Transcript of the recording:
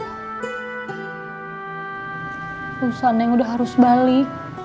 bagaimana kalau keberangkatan kamu ditunda dulu